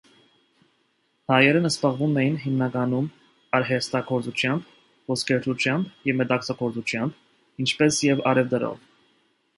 Հայերն զբաղվում էին հիմնականում արհեստագործությամբ՝ ոսկերչությամբ և մետաքսագործությամբ, ինչպես և առևտրով։